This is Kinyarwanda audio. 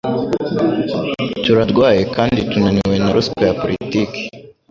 Turarwaye kandi tunaniwe na ruswa ya politiki